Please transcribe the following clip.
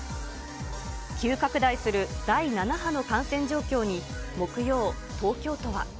急拡大する第７波の感染状況に、木曜、東京都は。